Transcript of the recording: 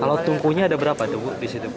kalau tungkunya ada berapa tungku di situ